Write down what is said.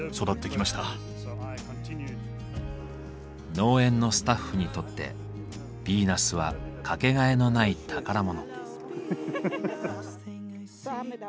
農園のスタッフにとってヴィーナスは掛けがえのない宝物。